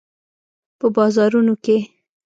په بازارونو کې